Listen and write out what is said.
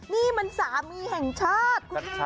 นี่มันสามีแห่งชาติคุณผู้ชม